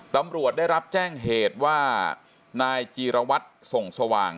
ตำรวจได้รับแจ้งเหตุว่านายจีรวัตรส่งสว่าง